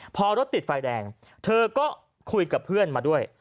พอรถติดไฟแดงเธอก็คุยกับเพื่อนมาด้วย